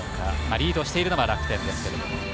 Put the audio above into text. リードしているのは楽天ですけれど。